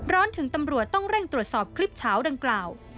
ถึงตำรวจต้องเร่งตรวจสอบคลิปเฉาดังกล่าว